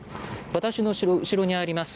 私の後ろにあります